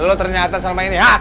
lo ternyata sama ini ya